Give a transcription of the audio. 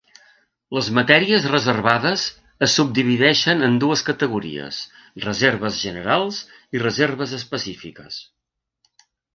Les matèries reservades es subdivideixen en dues categories: reserves generals i reserves específiques.